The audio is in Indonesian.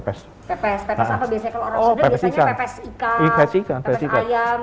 pepes apa biasanya kalau orang sudah biasanya pepes ikan pepes ayam gitu ya